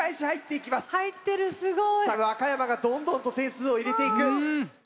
和歌山がどんどんと点数を入れていく。